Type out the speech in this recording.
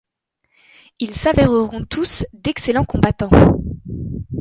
Ils s’avèreront tous d’excellent combattants.